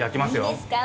いいですか？